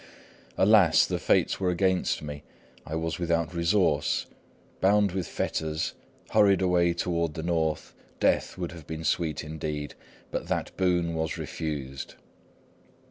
"Alas! the fates were against me; I was without resource. Bound with fetters, hurried away toward the north, death would have been sweet indeed; but that boon was refused.